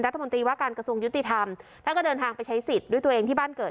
รัฐมนตรีว่าการกระทรวงยุติธรรมท่านก็เดินทางไปใช้สิทธิ์ด้วยตัวเองที่บ้านเกิด